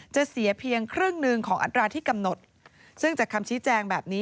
จะเสียเพียงครึ่งหนึ่งของอัตราที่กำหนดซึ่งจากคำชี้แจงแบบนี้